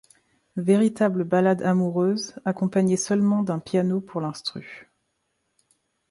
Véritable ballade amoureuse accompagnée seulement d'un piano pour l'instru.